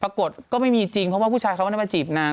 ปรากฏก็ไม่มีจริงเพราะว่าผู้ชายเขาไม่ได้มาจีบนาง